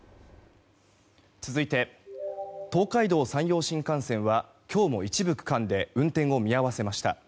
続いて東海道・山陽新幹線は今日も一部区間で運転を見合わせました。